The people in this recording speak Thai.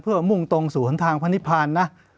เพื่อมุ่งตรงสวนทางพนิพานนะ